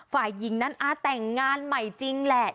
ฝ่ายหญิงนั้นแต่งงานใหม่จริงแหละ